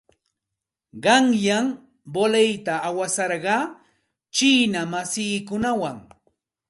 Qanyan voleyta awasarqaa chiina masiikunawan.